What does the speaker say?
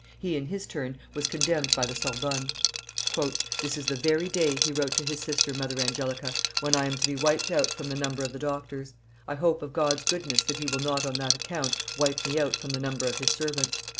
He, in his turn, was condemned by the Sorbonne. "This is the very day," he wrote to his sister, Mother Angelica, "when I am to be wiped out from the number of the doctors; I hope of God's goodness that He will not on that account wipe me out from the number of His servants.